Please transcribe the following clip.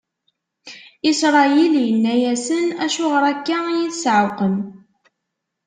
Isṛayil inna-asen: Acuɣer akka i yi-tesɛewqem?